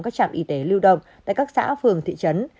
các trạm y tế lưu động tại các xã phường thị trấn